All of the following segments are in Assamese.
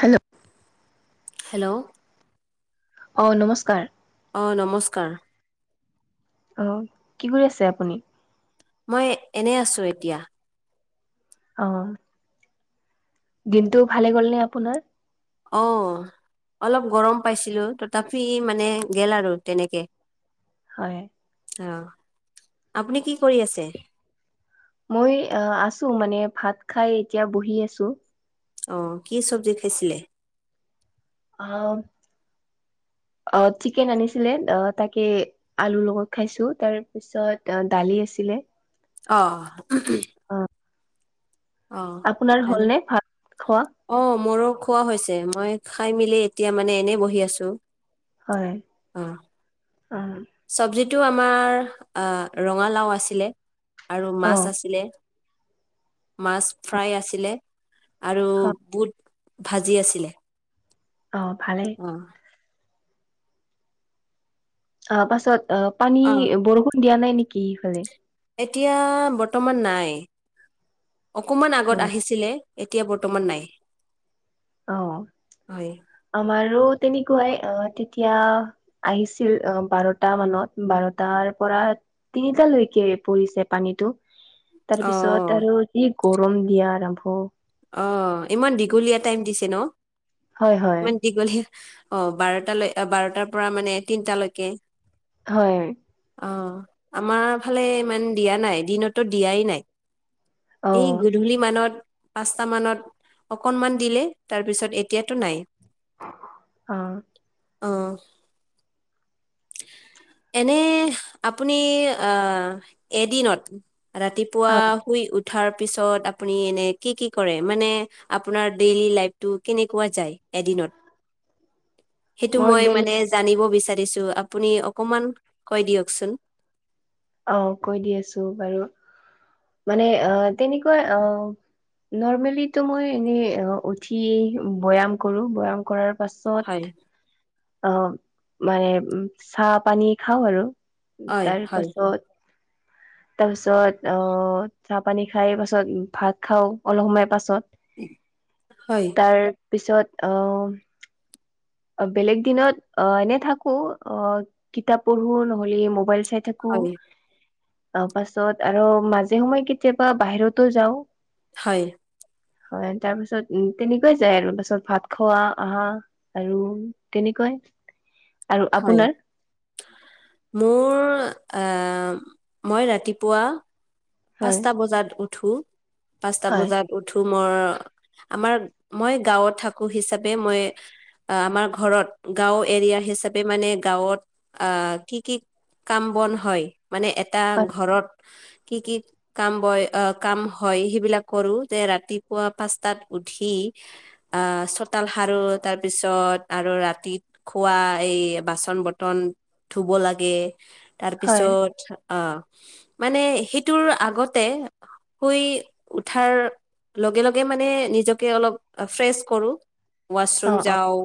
হেল্ল' হেল্ল' অ নমস্কাৰ অ নমস্কাৰ। অ কি কৰি আছে আপুনি? মই এনে আছো এতিয়া। অ দিনটো ভালে গ'ল নে আপোনাৰ? অহ অলপ গৰম পাইছিলোঁ তথাপি মানে গেল আৰু তেনেকে। হয়। অ আপুনি কি কৰি আছে? মই আছো মানে ভাত খাই এতিয়া বহি আছো। আহ কি চব্জি দিছিলে? আহ অ চিকেন আনিছিলে অ তাকে আলুৰ লগত খাইছো তাৰ পিছত অ দালি আছিল। ছিলে। আহ অ আপোনাৰ ভাল হ'লনে ভাত খোৱা অ মোৰো খোৱা হৈছে মই খাই মেলি এতিয়া মানে এনেই বহি আছো। হয় অ। এইটো আমাৰ অ ৰঙালাও আছিলে, আৰু অ মাছ আছিলে। মাছ ফ্ৰাই আছিলে, আৰু অ বুট ভাজি আছিলে। অ ভালেই। অ অ পাছত অ পানী অ বৰষুণ দিয়া নাই নেকি? সেইফালে এতিয়া বৰ্তমান নাই অকমান অ আগত আহিছিলে। এতিয়া বৰ্তমান নাই। অ হয় আমাৰো। তেনেকুৱাই অ তেতিয়া আহিছিল অ বাৰটা মানত বাৰটাৰ পৰা তিনিটালৈকে পৰিছে পানীতটো। অ তাৰপিছত আৰু যি গৰম দিয়া আৰম্ভ অ ইমান দীঘলীয়া টাইম দিছে ন হয় হয় ইমান দীঘলীয়া অ বাৰটালৈ বাৰট হয় অ আমাৰ ফালে ইমান দিয়া নাই দিনতো দিয়াই নাই। অ এই গধূলি মানত পাঁচটা মানত অকনমান দিলে তাৰপিছত এতিয়াতো নাই। অহ অ এনে আপুনি আহ এদিনত ৰাতিপুৱা হয় শুই উঠ উঠাৰ পিছত আপুনি এনে কি কি কৰে? মানে আপোনাৰ ডেইলি লাইফটো কেনেকুৱা যায় এদিনত [unintelligible] সেইটো মই ডেইলি মানে জানিব বিচাৰিছো আপ আপুনি অকণমান কৈ দিয়কচোন। অ কৈ দি আছো বাৰু, মানে আহ তেনেকুৱা আহ নৰ্মেলি মই এনে উঠি ব্যয়াম কৰো, ব্যয়াম কৰাৰ হয় পাছত অ মানে চাহ পানী খাওঁ আৰু হয় তাৰ হয় পাছত তাৰ পিছত অ চাহ পানী খাই পাছত ভাত খাও অলপ সময় পাছত হয়। তাৰ পিছত আহ বেলেগ দিনত অ এনে থাকো অ কিতাপ পঢ়ো নহলে মোব চাই থাকো হয় ত পাছত আৰু মাজে সময়ে কেতিয়াবা বাহিৰতো যাওঁ হয় হয় তাৰ পাছত উ তেনেকুৱাই যাই আৰু পাছত ভাত খোৱা আহা আৰু তেনেকুৱাই আৰু হয় আপোনাৰ মোৰ অহ মই ৰাতিপুৱা হয় পাঁচটা বজাত উঠো পাঁচটা হয় বজাত উঠো মই আমাৰ মই গাঁৱত থাকো হিচাপে মই আমাৰ ঘৰত গাঁও এৰিয়া হিচাপে মানে গাঁৱত অহ কি কি কাম বন হয় মানে এটা হয় ঘৰত কি কি কাম বয় কাম হয় সেইবিলাক কৰো যে ৰাতিপুৱা পাঁচটাত উঠি অ চোতাল সাৰু তাৰপিছত আৰু ৰাতিত খোৱা এই বাচন বাচন বৰ্তন ধুব লাগে তাৰ হয় পিছত উম মানে তোৰ আগতে শুই উঠাৰ লগে লগে মানে নিজকে অলপ ফ্ৰেচ কৰো অ ৱাছৰুম অ যাওঁ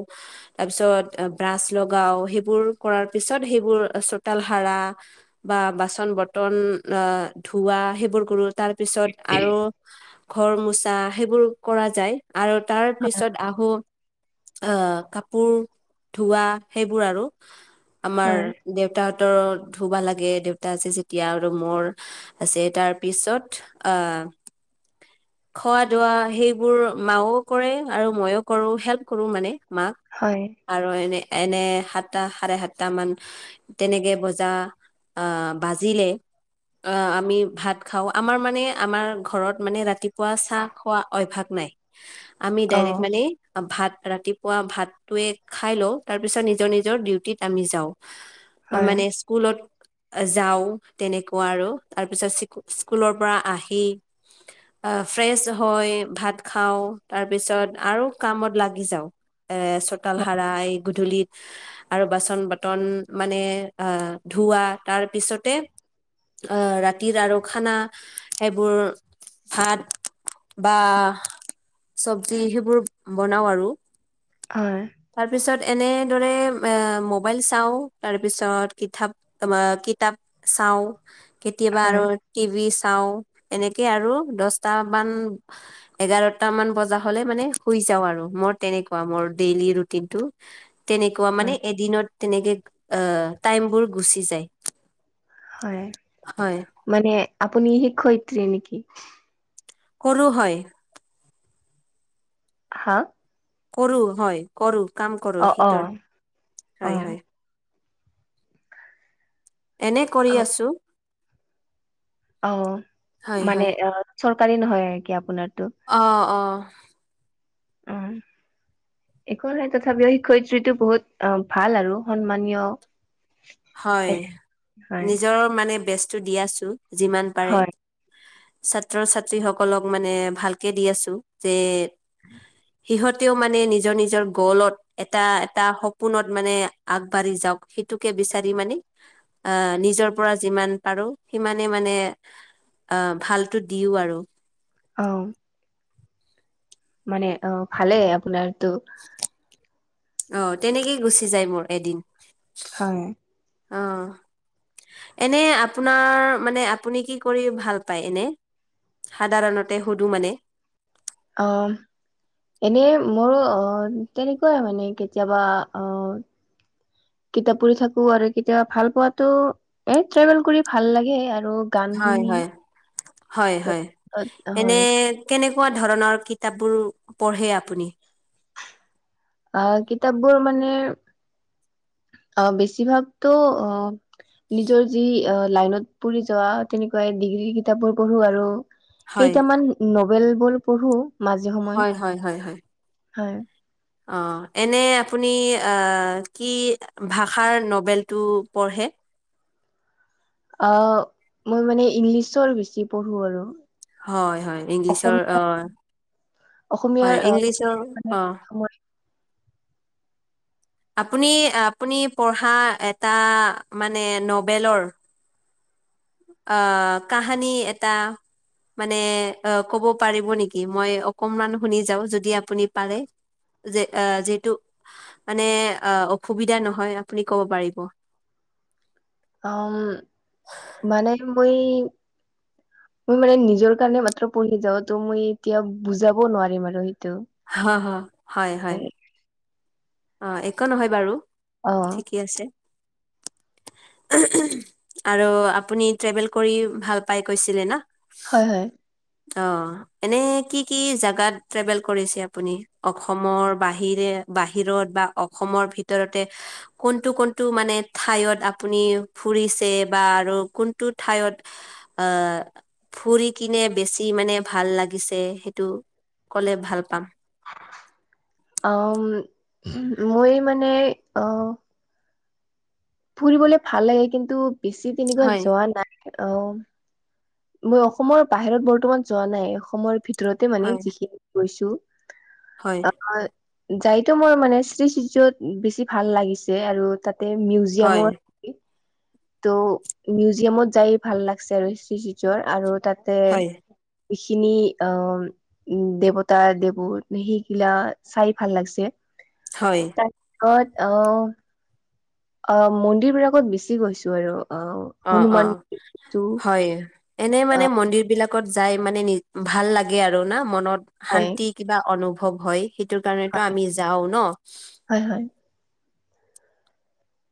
তাৰ পিছত বাচ্ছ লগাও সেইবোৰ কৰ পিছত সেবোৰ চোতালত হাৰা বা বাচন বৰ্তন নে ধুৱা সেইবোৰ কৰো তাৰ পিছত আৰু ঘৰ মোচা সেইবোৰ কৰা যায় আৰু তাৰ পিছত আহো আহ কাপোৰ ধোৱা সেইবোৰ আৰু আমাৰ হয় দেউতাহঁতৰ ধুবা লাগে দেউতা আছে যেতিয়া আৰু মোৰ আছে তাৰ পিছত আহ খোৱা দোৱা সেইবোৰ মাও কৰে আৰু ময়োও কৰো হেল্প কৰো মানে মাক হয় আৰু এনে এনে সাতটা সাৰে সাতটা মান তেনেকে বজা আহ বাজিলে অহ আমি ভাত খাওঁ আমাৰ মানে আমাৰ ঘৰত মানে ৰাতিপুৱা চাহ খোৱা অভ্যাস নাই। আমি অ ডাইৰেক্টৰ মানে ভাত ৰাতিপুৱা ভাতটোয়ে খাই লও তাৰ পিছত নিজৰ নিজৰ ডিউটিত আমি যাওঁ হয় মানে হয় স্কুলত যাওঁ তেনেকুৱা আৰু তাৰপিছত স্কুলৰ পৰা আহি আহ ফ্ৰেছ হৈ ভাত খাওঁ তাৰপিছত আৰু কামত লাগি যাওঁ এ চোতাল সাৰা গধূলিত আৰু বাচন বৰ্তন মানে আহ ধুৱা তাৰ পিছতে [unintelligible] আহ ৰাতিৰ আৰু খানা সেইবোৰ ভাত বা চবজি সেইবোৰ বনাও আৰু হয় তাৰ পিছত এনেদৰে মোবাইল চাওঁ তাৰপিছত কিতাপ কিতাপ চাওঁ কেতিয়াবা আৰু হয় টিভি চাও এনেকে আৰু দছটামান এঘাৰটা মান বজা হলে মানে শুই শুই যাওঁ আৰু মোৰ তেনেকুৱা ডেলি ৰুটিন সেইটোৱেই আৰু তেনেকুৱা মানে হয় এদিনত তেনেকে আহ টাইমবোৰ গুচি যায় হয় হয় মানে আপুনি শিক্ষয়িত্ৰি নেকি কৰো হয় হা কৰো হয় কৰো কাম অ অ কৰোটোৰ অ হয় হয় এনে কৰি অ আছো অ হয় হয় মানে অ চৰকাৰী নহয় আৰু কি আপোনাৰ অ অ অ একখনো নাই তথাপিও শিক্ষয়িত্ৰীটো বহুত অ ভাল আৰু সন্মানীয়। হয় হয় নিজৰ মানে বেসটো দিয়াছো। যিমান পাৰে। হয় ছাত্ৰ ছাত্ৰী সকলক মানে ভালকে দি আছো যে। সিহঁতেও মানে নিজৰ নিজৰ গলত এটা এটা সপোনত মানে আগবাঢ়ি যক যাক সেইটোকে বিচাৰি মানে আহ নিজৰ পৰা যিমান পাৰো সিমানে মানে। অ ভালো দিও আৰু। অ। মানে অ ভালে আপোনাৰটো। অ তেনেকেই গুচি যায় মোৰ এদিন। হয়। অ এনে আপোনাৰ মানে আপুনি কি কৰি ভাল পায় এনে। সাধাৰণতে সুধো মানে। অ এনে মোৰো আহ তেনেকুৱাই মানে কেতিয়াবা আ। কিতাপ পঢ়ি থাকো আৰু কেতিয়াবা ভাল পোৱাাতো এ ট্ৰেভেল কৰি ভাল লাগে আৰু গান হয় শুনি হয় হয় হয় এনে হয় কেনেকুৱা কুৱা ধৰণৰ কিতাপ বোৰ পঢ়ে আপুনি আহ কিতাপবোৰ মানে অ বেছিভাগতো নিজৰ যি লাইনত পৰিঢ যোৱা তেনেকুৱাই ডিগ্ৰী কিতাপবোৰ পঢ়ো আৰু হয় কেইটামান নবেল বোৰো পঢ়ো মাজে সময় হয় হয় হয় হয়। হয়। অ এনে আপুনি কি ভাষাৰ নবেলটো পঢ়ে। অ মই মানে ইংলিছৰ বেছি পঢ়ো আৰু হয় হয় ইংলিছৰ অ। অসমীয়াৰ অসমীয়াৰ হয় ইংলিছৰ আপুনি আপুনি পঢ়া এটা মানে নবেলৰ। আ কাহানী এটা। মানে অ ক'ব পাৰিব নেকি মই অকনমান শুনি যাও যদি আপুনি পাৰে যে যিহেতটো মানে অসুবিধা নহয় আপুনি ক'ব পাৰিব। [unintelligible] উম মানে মই মই মানে নিজৰ কাৰণে মাত্ৰ পঢ়ি যাও ত' মই এতিয়া বুজাব নোৱাৰিম আৰু। হা হা হয় হয়। অ একো নহয় বাৰু অ ঠিকেই আছে। [inaudible] আৰু আপুনি ট্ৰেভেল কৰি ভাল পাই কৈছিলে না। [unintelligible] হয় হয়। অ এনে কি কি জোগাত ট্ৰেভেল কৰিছে আপুনি অসমৰ বাহিৰে বাহি। বাহিৰত বা অসমৰ ভিতৰতে কোনটো কোনটো মানে ঠাইয়ত আপুনি ফুৰিছে [unintelligible] যে বা আৰু কোনটো ঠাইত আ ফুৰিকিনে বেছি মানে বেছি। [unintelligible] ভাল লাগিছে সেইটো কলে ভাল পাম। অম মই মানে অ। ফুৰিবলে ভাল লাগে কিন্তু বেছি তেনেকুৱা হয়, যোৱা নাই। অ মই অসমৰ বাহিৰত বৰ্তমান যোৱা নাই অসমৰ ভিতৰত [unintelligible] ভিতৰতে মানে হয়, যিখিনি কৈছো হয় যাইটো মোৰ মানে শ্ৰীচত বেছি ভাল লাগিছে আৰু তাতে [unintelligible] হয় ত' মিউজিয়ামত যায় ভাল লাগিছে আৰু আজি আৰু তাত [unintelligible] তে হয়, স খিনি অ উ দেৱতা দেৱোত সেইগিলা চাই ভাল লাগিছে [unintelligible] হয় কত অ অ মন্দিৰ বিলাকত বেচি গৈছো আৰু অ অ অ হনুমান মন্দিৰটো হয় এনে মানে অ মন্দিৰ বিলাক ত যাই মানে নি ভাল লাগে আৰু না মনত হয় শান্তি কিবা অনুভৱ হয় সেইটোৰ কাৰণেতো আমি যাও ন হয় হয়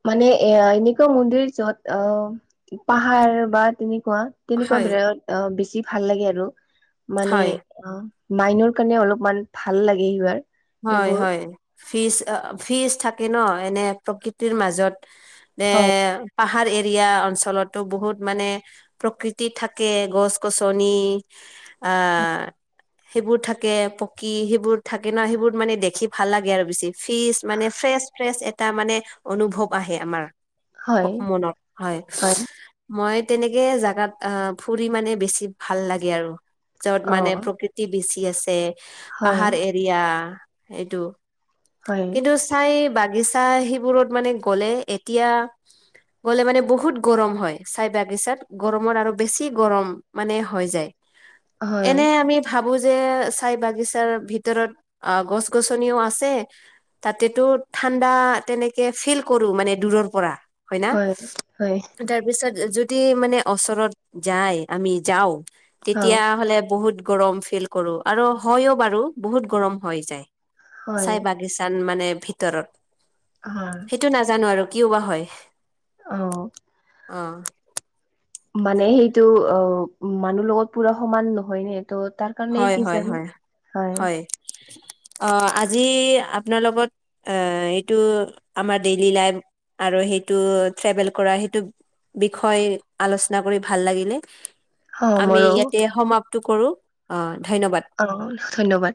মানে এ এনেকুৱা মন্দিৰ যত অ পাহাৰ বা তেনে খোৱা তেনেকুৱা হয় বিৰত অ বেছি ভাল লাগে আৰু মানে হয় অ মাইনৰ কাৰণে অলপমান ভাল লাগে হিয়াৰ হয় হয় ফিজ ফিজ থাকে ন এনে প্ৰকৃতিৰ মাজত এ হয় পাহাৰ এৰিয়া অঞ্চলতো বহুত মানে প্ৰকৃতি থাকে গছ গছনি আ সেইবোৰ থাকে পকী সেইবোৰ থাকে ন সেইবোৰ মানে দেখি ভাল লাগে আৰু বেছি ফিচ মানে ফ্ৰেচ ফ্ৰেচ এটা মানে অনুভৱ আহে আমাৰ হয় [unintelligible] মনত হয় মই তেনেকে জেগাত অ ফুৰি মানে বেছি ভাল লাগে আৰু যত অ মানে প্ৰকৃতি বেছি আছে হয় পাহাৰ এৰিয়া এইটো হয় কিন্তু চাই বাক [unintelligible] বাগিচা সেইবোৰত মানে গ'লে এতিয়া গ'লে মানে বহুত গৰম হয় চাই বাগিচাত গৰমত আৰু বেছি গৰম মানে হৈ যায় [unintelligible] হয় এনে আমি ভাবো যে চাই বাগিচাৰ ভিতৰত অ গছ গ গছনিও আছে তাতেতো ঠাণ্ডা তেনেকে ফিল কৰো মানে দূৰৰ পৰা [unintelligible] হয় ন তাৰপিছত যদি মানে ওচৰত যায় আমি যাওঁ অ তেতিয়া হলে বহুত গৰম ফিল কৰো আৰু হয়ও বাৰু বহুত গৰম হৈ যায় হয় চাই বাগিচাত মানে ভিতৰত হয় সেইটো নাজানো আৰু কিয় বা হয় অ অ মানে সেইটো অ মানুহ লগত পুৰা সমান নহয় ন [unintelligible] ত তাৰ কাৰণে এই হয় কি হয় চ হয় হয় [unintelligible] অ আজি আপোনাৰ লগত এ এইটো আমাৰ ডেইলি লাইফ আৰু সেইটো ট্ৰেভেল কৰা সেইটো বিষয় আলোচনা কৰি ভাল লাগিলে। অ আমি মোৰো ইয়াতে সমাপ্ত কৰো অ ধন্যবাদ অ ধন্যবাদ